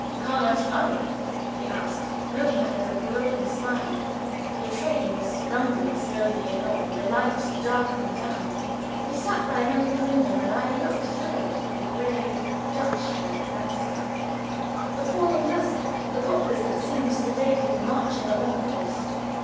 "How much money?" he asked, looking at me with a provoking smile. The train was rumbling slowly along, the night darkening down. We sat by an open window, and I looked through it at the gray, Dutch like landscape, the falling dusk, the poplars that seemed sedately marching along with us.